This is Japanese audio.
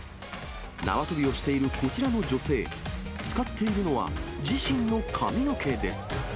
縄跳びをしているこちらの女性、使っているのは、自身の髪の毛です。